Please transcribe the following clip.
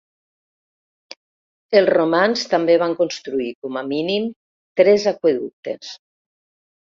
Els romans també van construir, com a mínim, tres aqüeductes.